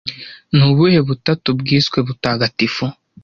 Ni ubuhe butatu bwiswe butagatifu